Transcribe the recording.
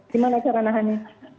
gimana cara nahannya